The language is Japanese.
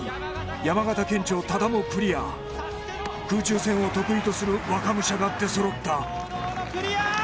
山形県庁多田もクリア空中戦を得意とする若武者が出揃った堂々のクリア！